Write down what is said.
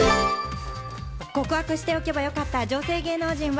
告白しておけばよかった女性芸能人は？